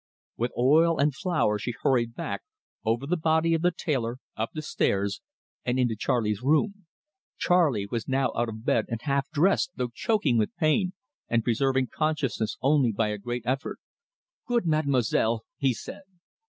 With oil and flour she hurried back, over the body of the tailor, up the stairs, and into Charley's room. Charley was now out of bed and half dressed, though choking with pain, and preserving consciousness only by a great effort. "Good Mademoiselle!" he said.